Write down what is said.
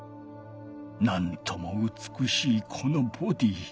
なんともうつくしいこのボディー。